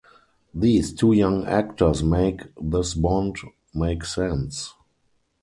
These two young actors make this bond make sense.